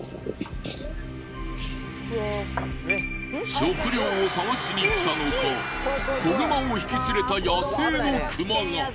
食料を探しにきたのか子熊を引きつれた野生の熊が。